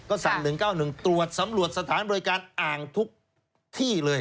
ก็สั่ง๑๙๑ตรวจสำรวจสถานบริการอ่างทุกที่เลย